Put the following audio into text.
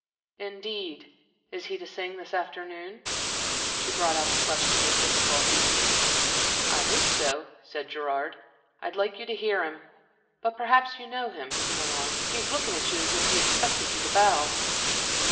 "Indeed. Is he to sing this afternoon?" She brought out the question with difficulty. "I hope so," said Gerard. "I'd like you to hear him. But perhaps you know him," he went on. "He is looking at you as if he expected you to bow."